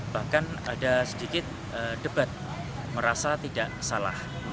bahkan ada sedikit debat merasa tidak salah